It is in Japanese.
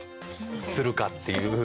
するかっていう。